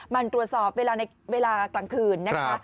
บรรตัวสอบเวลากลางคืนนะคะ